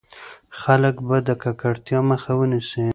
خلک به د ککړتيا مخه ونيسي.